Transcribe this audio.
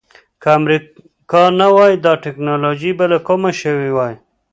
که امریکا نه وای دا ټکنالوجي به له کومه شوې وای.